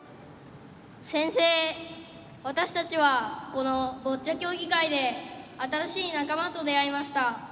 せんせいわたしたちはこのボッチャ競技会で新しい仲間と出会いました。